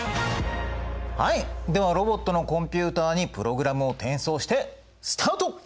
はいではロボットのコンピュータにプログラムを転送してスタート！